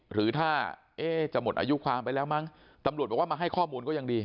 หรือถ้าจะหมดอายุความไปแล้วมั้งตำรวจบอกว่ามาให้ข้อมูลก็ยังดี